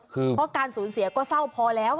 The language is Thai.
เพราะการสูญเสียก็เศร้าพอแล้ว